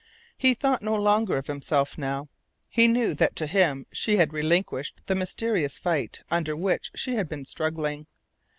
He thought no longer of himself now. He knew that to him she had relinquished the mysterious fight under which she had been struggling.